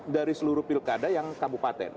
dari seluruh pilkada yang kabupaten